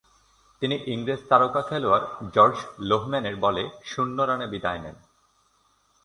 তিনি ইংরেজ তারকা খেলোয়াড় জর্জ লোহম্যানের বলে শূন্য রানে বিদায় নেন।